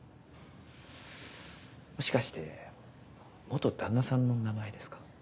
もしかして旦那さんの名前ですか？